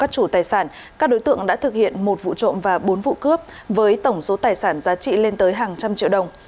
các đối tượng đã thực hiện một vụ trộm và bốn vụ cướp với tổng số tài sản giá trị lên tới hàng trăm triệu đồng